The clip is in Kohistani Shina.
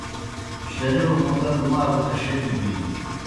شرِیؤ مُدا دہ مال اشَتیْ بِینیْ۔